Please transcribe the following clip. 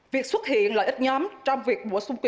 việc xuất hiện lợi ích nhóm trong việc